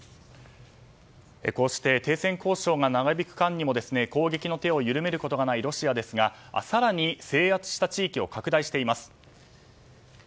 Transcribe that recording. こうして停戦交渉が長引く間にも攻撃の手を緩めることがないロシアですが更に制圧した地域を拡大しています。